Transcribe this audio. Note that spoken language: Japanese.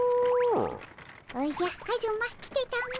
おじゃカズマ来てたも。